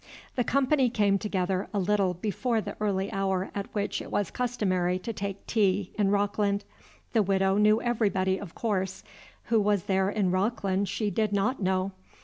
The company came together a little before the early hour at which it was customary to take tea in Rockland. The Widow knew everybody, of course: who was there in Rockland she did not know?